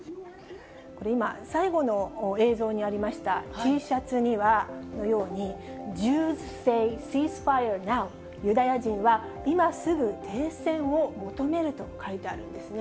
これ今、最後の映像にありましたＴシャツにはこのように、ジュース・セイ・シース・ファイア・ナウ、今すぐ停戦を求めると書いてあるんですね。